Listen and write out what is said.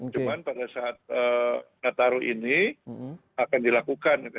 cuman pada saat nataruh ini akan dilakukan ya